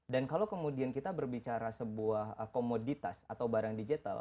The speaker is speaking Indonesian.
dan kalau kemudian kita berbicara sebuah komoditas atau barang digital